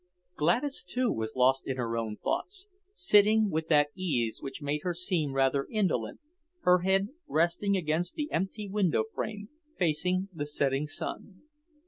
Gladys, too, was lost in her own thoughts, sitting with that ease which made her seem rather indolent, her head resting against the empty window frame, facing the setting sun.